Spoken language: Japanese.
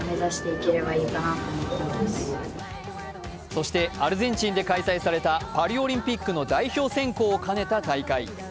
そしてアルゼンチンで開催された、パリオリンピックの代表選考を兼ねた大会。